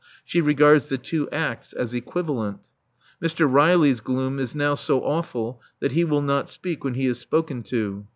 She regards the two acts as equivalent. Mr. Riley's gloom is now so awful that he will not speak when he is spoken to.